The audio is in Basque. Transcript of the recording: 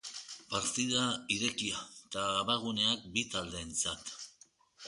Partida irekia eta abaguneak bi taldeentzat.